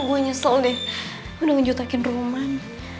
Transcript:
gue nyesel deh udah ngejutakin rumah